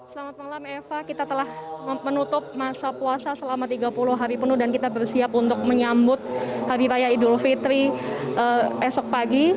selamat malam eva kita telah menutup masa puasa selama tiga puluh hari penuh dan kita bersiap untuk menyambut hari raya idul fitri esok pagi